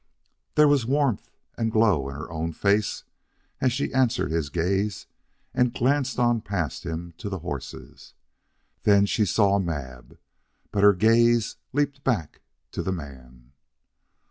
There was warmth and glow in her own face as she answered his gaze and glanced on past him to the horses. Then she saw Mab. But her gaze leaped back to the man.